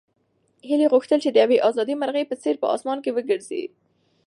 هیلې غوښتل چې د یوې ازادې مرغۍ په څېر په اسمان کې وګرځي.